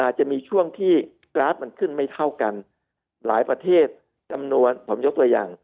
จะมีช่วงที่กราฟมันขึ้นไม่เท่ากันหลายประเทศจำนวนผมยกตัวอย่าง